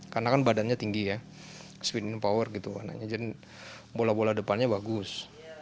karena kan badannya tinggi ya speed and power gitu jadi bola bola depannya bagus